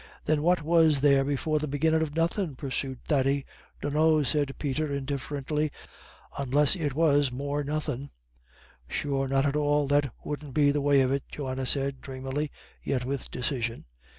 "Then what was there before the beginnin' of nothin'?" pursued Thady. "Dunno," said Peter, indifferently, "unless it was more nothin'." "Sure not at all; that wouldn't be the way of it," Johanna said, dreamily, yet with decision.